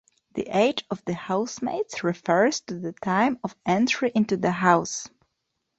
The age of the housemates refers to the time of entry into the house.